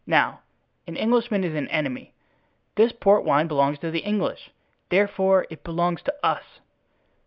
Now an Englishman is an enemy; this port wine belongs to the English, therefore it belongs to us."